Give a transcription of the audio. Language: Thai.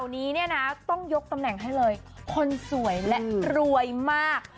นี้เนี่ยนะต้องยกตำแหน่งให้เลยคนสวยและรวยมาก